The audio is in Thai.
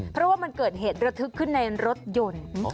เพราะว่ามันเกิดเหตุระทึกขึ้นในรถยนต์